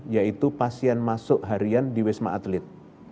yaitu pasien masuk harian di wisma atlet